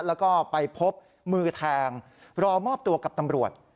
แล้วก็ไปพบมือแทงรอมอบตัวกับตำรวจ